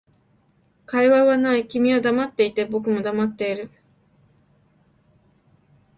会話はない、君は黙っていて、僕も黙っている